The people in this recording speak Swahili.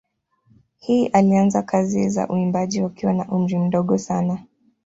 Hill alianza kazi za uimbaji wakiwa na umri mdogo sana.